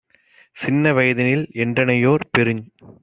"சின்ன வயதினில் என்றனையோர் - பெருஞ்